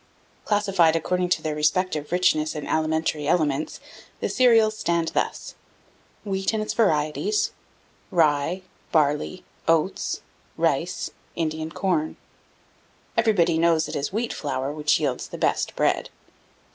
Classified according to their respective richness in alimentary elements, the Cereals stand thus: Wheat, and its varieties, Rye, Barley, Oats, Rice, Indian Corn. Everybody knows it is wheat flour which yields the best bread.